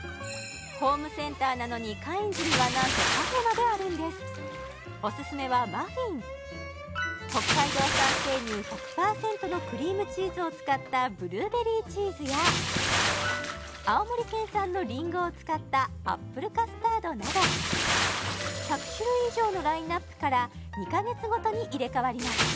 ホームセンターなのにカインズにはなんとカフェまであるんですおすすめはマフィン北海道産生乳１００％のクリームチーズを使ったブルーベリーチーズや青森県産のリンゴを使ったアップルカスタードなど１００種類以上のラインナップから２か月ごとに入れ代わります